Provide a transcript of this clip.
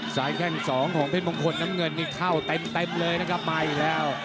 แข้งสองของเพชรมงคลน้ำเงินนี่เข้าเต็มเลยนะครับมาอีกแล้ว